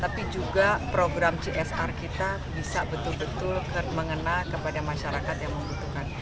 tapi juga program csr kita bisa betul betul mengena kepada masyarakat yang membutuhkan